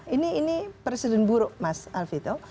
ini presiden buruk mas alvito